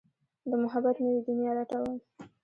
د محبت نوې دنيا لټوم